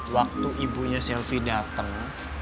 waktu ibunya selfie dateng